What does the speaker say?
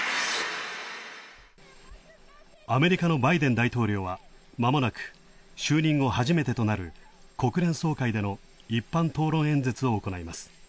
アメリカのバイデン大統領はまもなく就任後初めてとなる、国連総会での一般討論演説をおこないます。